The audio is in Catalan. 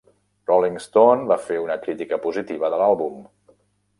"Rolling Stone" va fer una crítica positiva de l'àlbum.